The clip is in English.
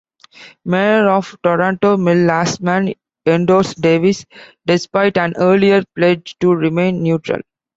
Mayor of Toronto Mel Lastman endorsed Davis, despite an earlier pledge to remain neutral.